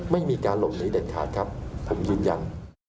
ไม่มีการหลบหนีเด็ดขาดครับผมยืนยัน